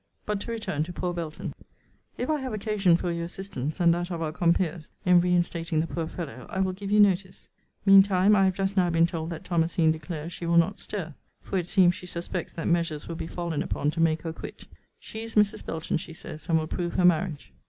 But to return to poor Belton. If I have occasion for your assistance, and that of our compeers, in re instating the poor fellow, I will give you notice. Mean time, I have just now been told that Thomasine declares she will not stir; for, it seems, she suspects that measures will be fallen upon to make her quit. She is Mrs. Belton, she says, and will prove her marriage.